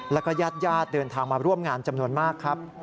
แล้วก็ญาติญาติเดินทางมาร่วมงานจำนวนมากครับ